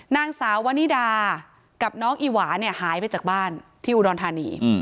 นางสาววนิดากับน้องอีหวาเนี่ยหายไปจากบ้านที่อุดรธานี